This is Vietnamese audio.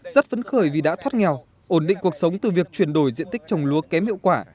rất phấn khởi vì đã thoát nghèo ổn định cuộc sống từ việc chuyển đổi diện tích trồng lúa kém hiệu quả